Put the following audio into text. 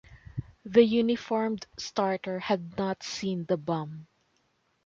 The uniformed starter had not seen the bum.